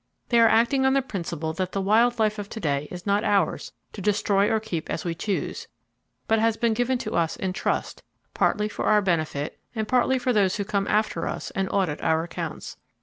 They are acting on the principle that the wild life of to day is not ours, to destroy or to keep as we choose, but has been given to us in trust, partly for our benefit and partly for those who come after us and audit our accounts.